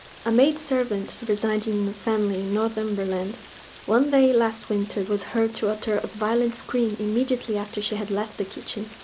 A maid servant residing in a family in Northumberland, one day last winter was heard to utter a violent scream immediately after she had left the kitchen.